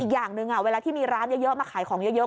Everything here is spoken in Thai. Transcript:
อย่างหนึ่งเวลาที่มีร้านเยอะมาขายของเยอะ